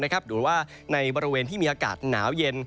หรือว่าในบริเวณที่มีอากาศหนาวเย็น